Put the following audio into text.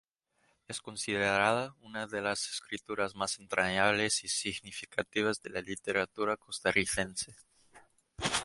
Es considerada una de las escritoras más entrañables y significativas de la literatura costarricense.